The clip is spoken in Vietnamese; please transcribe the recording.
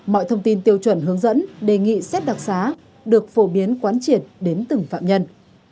mọi thông tin tiêu chuẩn hướng dẫn đề nghị xét đặc xá được phổ biến quán triệt đến từng phạm nhân